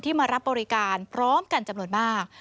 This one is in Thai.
มารับบริการพร้อมกันจำนวนมาก